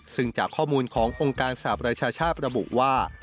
ซึ่งจากข้อมูลขององค์การสหประชาชาติระบุว่า